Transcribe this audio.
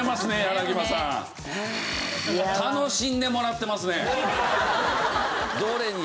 楽しんでもらってますね。